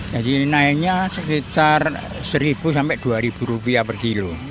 jadi naiknya sekitar rp satu sampai rp dua per kilo